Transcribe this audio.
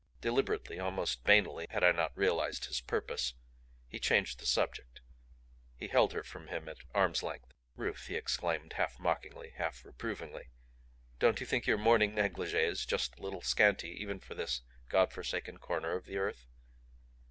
Deliberately, almost banally had I not realized his purpose, he changed the subject. He held her from him at arm's length. "Ruth!" he exclaimed, half mockingly, half reprovingly. "Don't you think your morning negligee is just a little scanty even for this Godforsaken corner of the earth?"